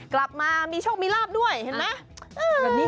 กลับมามีโชคมีลาบด้วยเห็นไหม